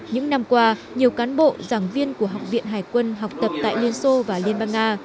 những năm qua nhiều cán bộ giảng viên của học viện hải quân học tập tại liên xô và liên bang nga